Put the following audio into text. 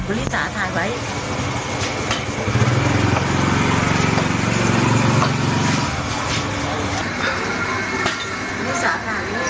อุลิสาทายไว้